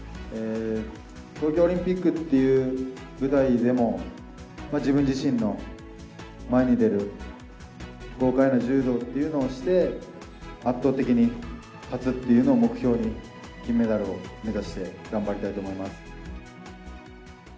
東京オリンピックっていう舞台でも、自分自身の前に出る豪快な柔道っていうのをして、圧倒的に勝つっていうのを目標に、金メダルを目指して頑張りたいと思います。